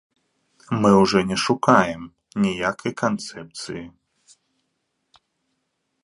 Мы ўжо не шукаем ніякай канцэпцыі.